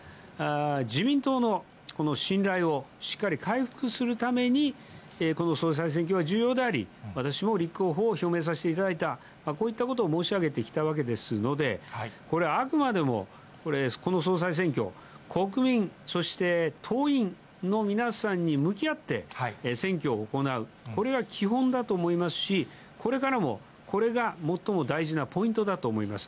自民党の信頼をしっかり回復するために、この総裁選挙は重要であり、私も立候補を表明させていただいた、こういったことを申し上げてきたわけですので、これ、あくまでもこの総裁選挙、国民、そして党員の皆さんに向き合って選挙を行う、これが基本だと思いますし、これからもこれが最も大事なポイントだと思います。